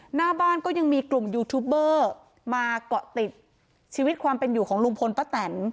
หน้าบ้านก็ยังมีกลุ่มยูทูบเบอร์มาเกาะติดชีวิตความเป็นอยู่ของลุงพลป้าแตน